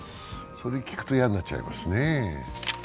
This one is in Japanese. それを聞くと嫌になっちゃいますね。